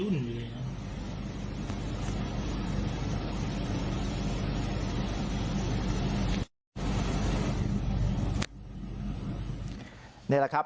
นี่แหละครับ